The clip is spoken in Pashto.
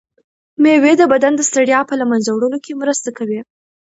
مېوې د بدن د ستړیا په له منځه وړلو کې مرسته کوي.